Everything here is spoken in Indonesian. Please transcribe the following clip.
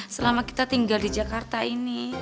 selama kita tinggal di jakarta ini